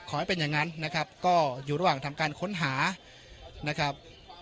ขอให้เป็นอย่างนั้นนะครับก็อยู่ระหว่างทำการค้นหานะครับ